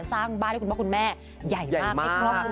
สร้างบ้านให้คุณพ่อคุณแม่ใหญ่มาก